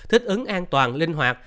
hướng an toàn linh hoạt